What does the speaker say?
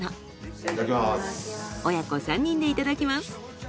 親子３人でいただきます。